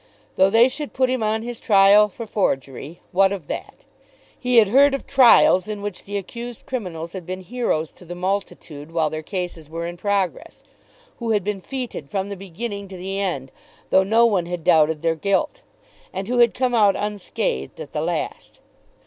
Though they should put him on his trial for forgery, what of that? He had heard of trials in which the accused criminals had been heroes to the multitude while their cases were in progress, who had been fêted from the beginning to the end though no one had doubted their guilt, and who had come out unscathed at the last.